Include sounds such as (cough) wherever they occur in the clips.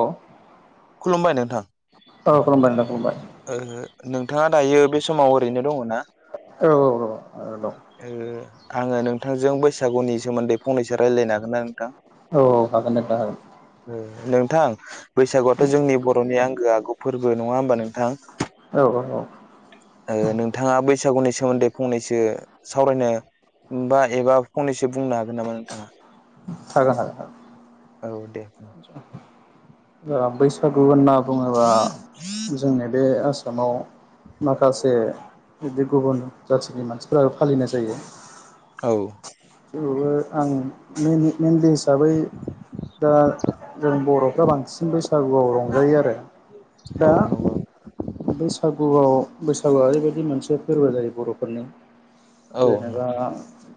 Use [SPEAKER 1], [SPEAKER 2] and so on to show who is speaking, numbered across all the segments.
[SPEAKER 1] अ
[SPEAKER 2] खुलुमबाय नोंथां।
[SPEAKER 1] औ खुलुमबाय नोंथां खुलुमबाय।
[SPEAKER 2] ओ नोंथाङा दायो बे समाव ओरैनो दङ ना‌?
[SPEAKER 1] औ औ‌ औ औ
[SPEAKER 2] ओ आङो नोंथांजों बैसागुनि सोमोन्दै फंनैसो रायलायनो हागोन ना नोंथां?
[SPEAKER 1] औ हागोन नोंथां हागोन।
[SPEAKER 2] ओ नोंथां बैसागुआथ जोंनि बरनि आंगो आगु फोर्बो नङा होमबा नोंथां?
[SPEAKER 1] औ औ औ
[SPEAKER 2] ओ नोंथाङा बैसागुनि सोमोन्दै फंनैसो सावरायनो बा एबा फंनैसो बुंनो हागोन नामा नोंथाङा?
[SPEAKER 1] हागोन हागोन हागोन।
[SPEAKER 2] औ दे।
[SPEAKER 1] ओ बैस सागु होनना बुङोबा जोंनि बे आसामाव माखासे बिदि गुबुन जाथिनि मानसिफोराबो फालिनाय जायो।
[SPEAKER 2] औ
[SPEAKER 1] थेवबो आं दिनैनि (unintelligible) हिसाबै दा जों बर फ्रा बांसिन बैसागुआव रंजायो आरो। दा
[SPEAKER 2] औ नंगौ।
[SPEAKER 1] बैसागुआव बैसागुआ ओरैबायदि मोनसे फोर्बो जायो बर'फोरनि
[SPEAKER 2] औ
[SPEAKER 1] जेनेबा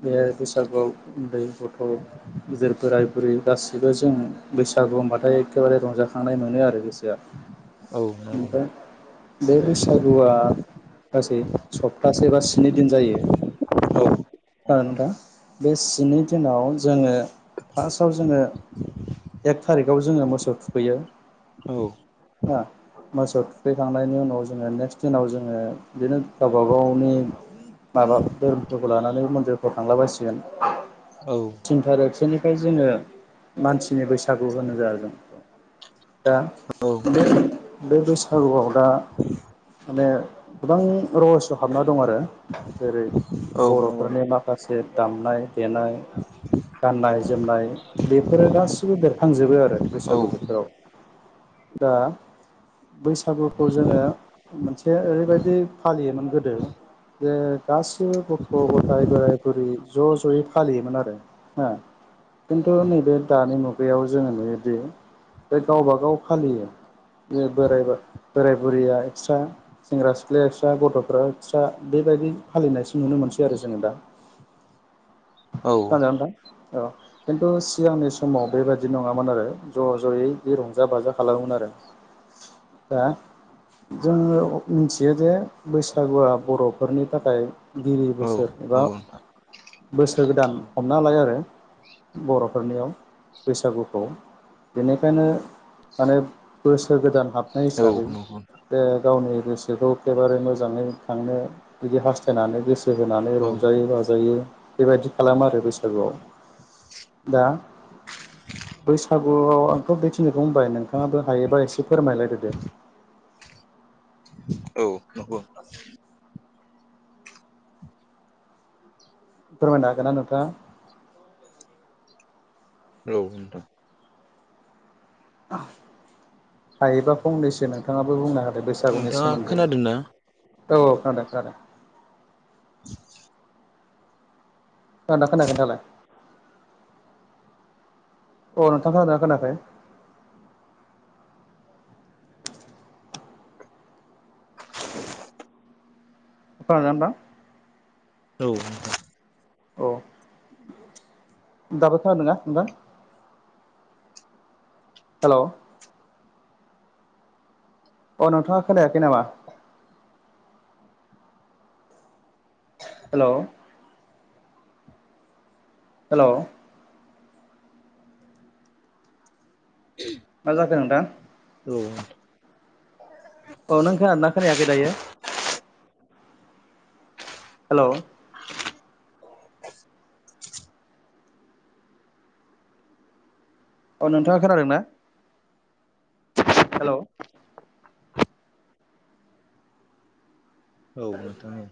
[SPEAKER 1] बे बैसागुआव उन्दै गथ जे बोराय बुरै गासिबो जों बैसागु होनबाथाय एखेबारे रंजाखांनाय मोनो आरो गोसोआ
[SPEAKER 2] औ नंगौ
[SPEAKER 1] ओफ्राय बे बैसा सागुआ गासै सप्तासे बा स्नि दिन जायो
[SPEAKER 2] औ
[SPEAKER 1] ओ नोंथां बे सिनि दिनाव जोङो फास्टआव जोङो एक थारिखआव जोङो मोसौ थुखैयो
[SPEAKER 2] औ
[SPEAKER 1] हो मोसौ थुखैखांनायनि उनाव जोङो नेक्स्ट दिनाव जोङो बिदिनो गावबा गावनि माबा धोरोमफोरखौ लानानै मन्दिरफ्राव थांला बायसिगोन
[SPEAKER 2] औ
[SPEAKER 1] थिनथारिग सोनिफाय जोङो मानसिनि बैसागु होनो जाहैदों दा
[SPEAKER 2] औ
[SPEAKER 1] बे बैसागुआव दा माने गोबां रहयस हाबना दं आरो जेरै
[SPEAKER 2] औ
[SPEAKER 1] बर
[SPEAKER 2] नंगौ
[SPEAKER 1] फोरनि माखासे दामनाय देनाय गाननाय जोमनाय बेफोरो गासिबो बेरखांजोबो आरो
[SPEAKER 2] औ
[SPEAKER 1] बैसागु बोथोराव दा बैसागुखौ जोङो मोनसे ओरैबायदि फालियोमोन गोदो जे गासिबो गथ' गथाय बोराय बुरै ज' ज'यै फालियोमोन आरो हो खिन्थु नैबे दानि मुगायाव जोङो नुयोदि बे गावबागाव फालियो बे बोरायबा बोराय बुरैआ एक्सट्रा सेंग्रा सिख्लाया एक्स्रा गथ'फ्रा एक्स्रा बेबायदि फालिनायसो नुनो मोनसै आरो जोङो दा
[SPEAKER 2] औ
[SPEAKER 1] (unintelligible) खिन्थु सिगांनि समाव बेबायदि नङामोन आरो ज' ज'यै बे रंजा बाजा खालामोमोन आरो
[SPEAKER 2] (inaudible)
[SPEAKER 1] हा? जोङो मिथियो जे बैसागुआ बर'फोरनि थाखाय। गिबि
[SPEAKER 2] औ
[SPEAKER 1] बोसोर एबा।
[SPEAKER 2] नंगौ नोंथां
[SPEAKER 1] बोसोर गोदान हमनालाय आरो बर'फोरनियाव बैसागुखौ। बेनिखायनो माने बोसोर गोदान हाबनाय
[SPEAKER 2] औ
[SPEAKER 1] हिसाबै।
[SPEAKER 2] नंगौ नोंथां
[SPEAKER 1] द गावनि गोसोखौ एखेबारे मोजाङै थांनो बिदि हास्थायनानै गोसो फु होनानै
[SPEAKER 2] औ
[SPEAKER 1] रंजायो बाजायो बेबायदि खालामो आरो बैसागुआव। दा बैसागुआव बेखिनिखौ बुंबाय नोंथाङाबो हायोबा एसे फोरमायलायदो दे
[SPEAKER 2] औ औ।
[SPEAKER 1] फोरमायनो हागोन ना नोंथाङा?
[SPEAKER 2] औ।
[SPEAKER 1] हायोबा फान्डेस नोंथाङाबो बुंनो हादों बैसागुनि
[SPEAKER 2] नोंथाङा
[SPEAKER 1] सोमोन्दै।
[SPEAKER 2] खोनादों ना?
[SPEAKER 1] औ खोनादों खोनादों। खोनादों ना खोनायाखै नोंथालाय अ नोंथां खोनादोंना खोनायाखै।
[SPEAKER 2] (inaudible)
[SPEAKER 1] खोनादोंना नोंथां।
[SPEAKER 2] (inaudible)
[SPEAKER 1] औ दाबोथा नङा नोंथां। हेल'। अ नोंथाङा खोनायाखै नामा। हेल'। हेल'।
[SPEAKER 2] (inaudible)
[SPEAKER 1] मा जाखो नोंथां।
[SPEAKER 2] उम। (inaudible)
[SPEAKER 1] औ नों खोनादों खोनायाखै दायो। हेल'। औ नोंथाङा खोनादों ना। हेल'।
[SPEAKER 2] औ नोंथां औ।